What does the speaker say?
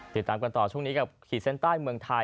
ติดตามกันต่อช่วงนี้กับขีดเส้นใต้เมืองไทย